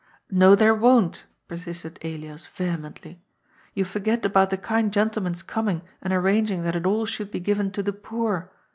" N"o, there won't," persisted Elias vehemently. " You forget about the kind gentleman's coming and arranging 334 GOD'S POOL. that it all should be given to the poor.